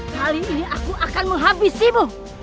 kali ini aku akan menghabisimu